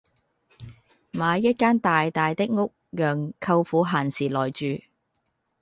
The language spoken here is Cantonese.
買一間大大的屋讓舅父閒時來住